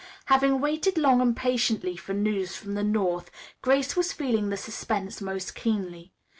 Having waited long and patiently for news from the north Grace was feeling the suspense most keenly.